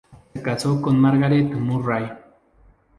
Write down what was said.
Se casó con Margaret Murray.